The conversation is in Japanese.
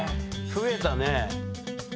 増えたね。